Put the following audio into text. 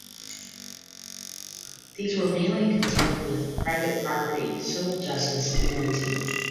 These were mainly concerned with private property, civil justice, and minting.